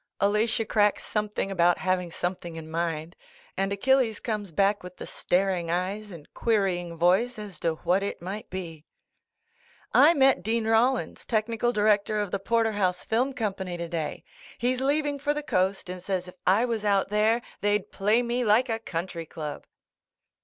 Alalia cracks something about having something in minJ, and Achilles comes back with the staring eyes and querying voice, as to what it might be. "I met Dean Rollins, technical director of the Porterhouse Film Company today. He's leaving for the coast and says if I was out there, they'd play me like a country club."